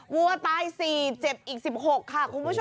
วัวตาย๔เจ็บอีก๑๖ค่ะคุณผู้ชม